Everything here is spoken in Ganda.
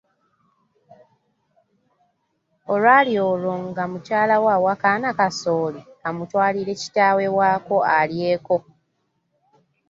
Olwali olwo nga mukyalawe awa kaana kasooli kamutwalire kitaawe waako alyeko.